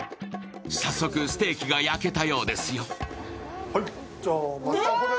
早速、ステーキが焼けたようですよ。